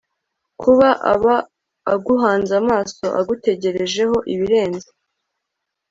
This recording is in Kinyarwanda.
kuko aba aguhanze amaso, agutegerejeho ibirenze